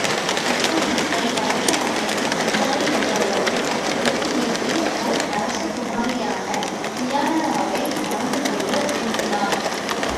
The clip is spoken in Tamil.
ஹெர்க்குலிஸ் தன் பழைய மனைவி மிகாரை என்பவளை விலக்கிவிட்டு, ஓர் அரச குமாரியான தியனைராவை மணந்துகொள்ள விரும்பினான்.